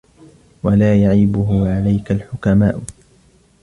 وَلَا يَعِيبُهُ عَلَيْك الْحُكَمَاءُ